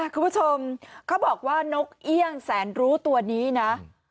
คุณผู้ชมเขาบอกว่านกเอี่ยงแสนรู้ตัวนี้นะ